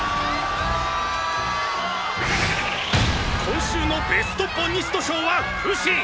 「今週のベストボンニスト賞はフシ！！